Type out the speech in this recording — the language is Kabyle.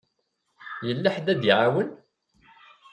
Yella ḥedd ad y-iɛawen?